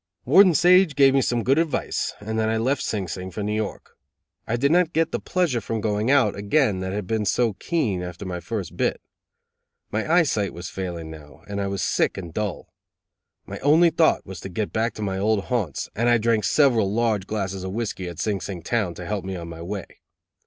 Warden Sage gave me some good advice and then I left Sing Sing for New York. I did not get the pleasure from going out again that had been so keen after my first bit. My eye sight was failing now, and I was sick and dull. My only thought was to get back to my old haunts, and I drank several large glasses of whiskey at Sing Sing town, to help me on my way.